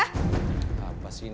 masih nggak ada cinta